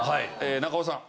中尾さん。